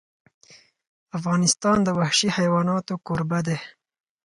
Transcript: افغانستان د وحشي حیوانات کوربه دی.